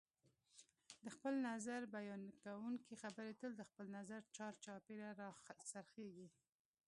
د خپل نظر بیانونکي خبرې تل د خپل نظر چار چاپېره راڅرخیږي